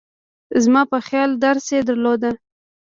زما په خیال درس یې درلود.